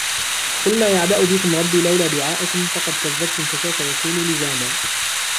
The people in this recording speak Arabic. قل ما يعبأ بكم ربي لولا دعاؤكم فقد كذبتم فسوف يكون لزاما